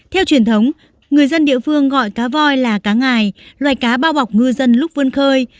theo truyền thống người dân địa phương gọi cá voi là cá ngài loài cá bao bọc ngư dân lúc vươn khơi